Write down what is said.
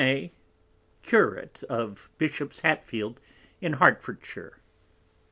A._ Curate of Bishop's Hatfield, in Hartfordshire.